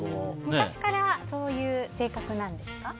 昔からそういう性格なんですか？